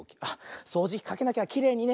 そうじきかけなきゃきれいにね。